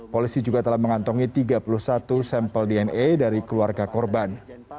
polisi juga telah mengantongi tiga puluh satu sampel dna dari keluarga korban